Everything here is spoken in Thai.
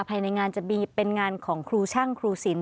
ภายในงานจะมีเป็นงานของครูช่างครูสิน